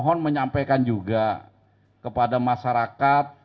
mohon menyampaikan juga kepada masyarakat